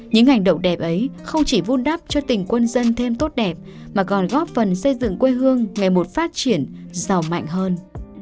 những hành động đẹp ấy không chỉ vun đắp cho tỉnh quân dân thêm tốt đẹp mà còn góp phần xây dựng quê hương ngày một phát triển giàu mạnh hơn